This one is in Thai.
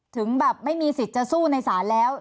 ถึงแบบไม่มีสิทธิ์จะสู้ในศาลแล้ว